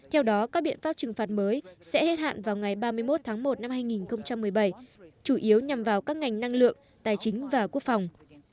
theo đó các biện pháp trừng phạt mới sẽ hết hạn vào ngày ba mươi một tháng một năm hai nghìn một mươi bảy chủ yếu nhằm vào các ngành năng lượng tài chính và quốc phòng